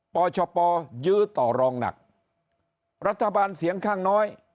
ปชปยื้อต่อรองหนักรัฐบาลเสียงข้างน้อย